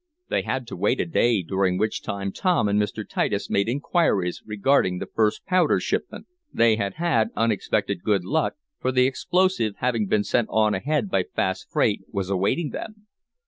They had to wait a day, during which time Tom and Mr. Titus made inquiries regarding the first powder shipment. They had had unexpected good luck, for the explosive, having been sent on ahead by fast freight, was awaiting them.